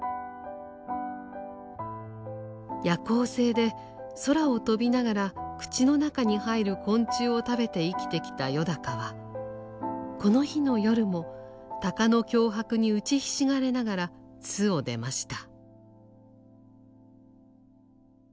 夜行性で空を飛びながら口の中に入る昆虫を食べて生きてきたよだかはこの日の夜も鷹の脅迫に打ちひしがれながら巣を出ました。